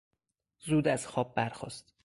زود از خواب برخاست.